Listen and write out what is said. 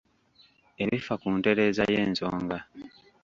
Ebifa ku ntereeza y'ensonga.